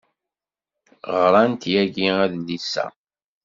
Ɣrant yagi adlis-a.